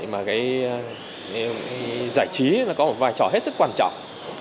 mà giải trí có một vai trò hết sức quan trọng